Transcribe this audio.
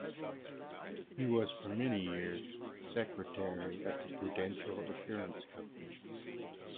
He was for many years secretary of the Prudential Assurance Company.